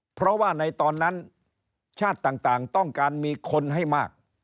เพราะว่าในตอนนั้นชาติต่างต้องการมีคนให้มาก